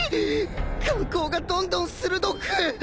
眼光がどんどん鋭く！？